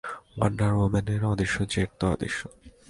Wonder ওম্যানের অদৃশ্য jet তো অদৃশ্য।